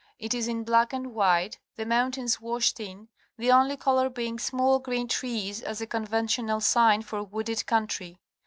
It is in black and white, the mountains washed in, the only color being small green trees as a conventional sign for wooded country.